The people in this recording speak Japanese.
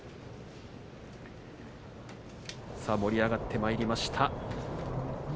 盛り上がってまいりました。